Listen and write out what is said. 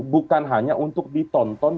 bukan hanya untuk ditonton